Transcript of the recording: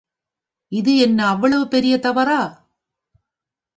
இது என்ன அவ்வளவு பெரிய தவறா?